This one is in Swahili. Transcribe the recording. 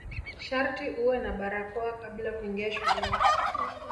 Sharti uwe na barakoa kabla kuingia shuleni.